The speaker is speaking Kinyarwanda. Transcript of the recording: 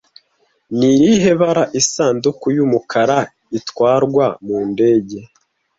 Ni irihe bara Isanduku y'umukara itwarwa mu ndege